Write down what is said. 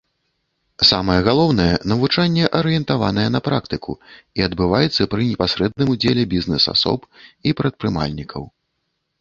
Самае галоўнае, навучанне арыентаванае на практыку і адбываецца пры непасрэдным удзеле бізнэс-асоб і прадпрымальнікаў.